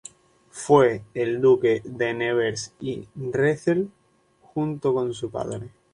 Fue el duque de Nevers y Rethel, junto con su padre.